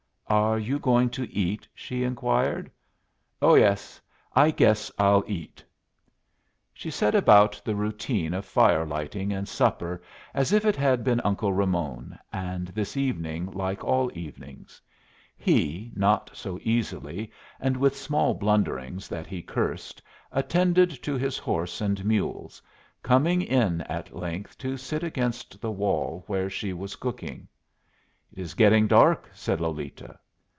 "Are you going to eat?" she inquired. "Oh yes. I guess I'll eat." She set about the routine of fire lighting and supper as if it had been Uncle Ramon, and this evening like all evenings. He, not so easily, and with small blunderings that he cursed, attended to his horse and mules, coming in at length to sit against the wall where she was cooking. "It is getting dark," said Lolita.